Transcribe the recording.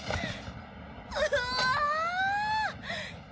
うわ！